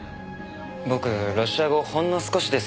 僕ロシア語ほんの少しです